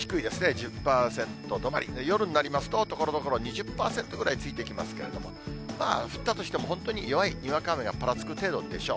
１０％止まり、夜になりますと、ところどころ２０％ぐらいついてきますけれども、降ったとしても、本当に弱いにわか雨がぱらつく程度でしょう。